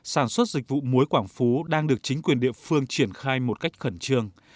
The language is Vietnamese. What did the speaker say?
sản xuất dịch vụ muối quảng phú đang được chính quyền địa phương triển khai một cách khẩn trương